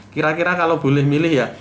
kira kira kalau boleh milih ya